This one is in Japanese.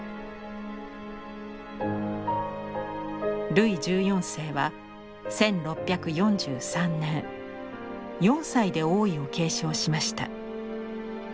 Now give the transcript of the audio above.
ルイ１４世は１６４３年４歳で王位を継承しました。